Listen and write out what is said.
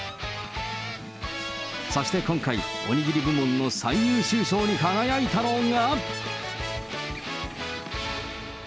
そして今回、おにぎり部門の最優秀賞に輝いたのが。